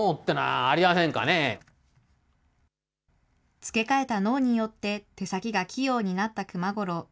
付け替えた脳によって手先が器用になった熊五郎。